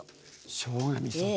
しょうがみそと。